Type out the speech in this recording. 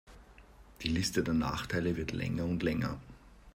Die Liste der Nachteile wird länger und länger.